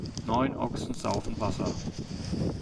Neun Ochsen saufen Wasser.